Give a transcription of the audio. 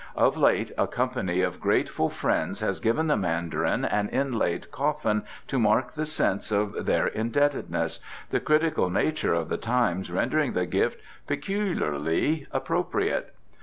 Of late a company of grateful friends has given the Mandarin an inlaid coffin to mark the sense of their indebtedness, the critical nature of the times rendering the gift peculiarly appropriate.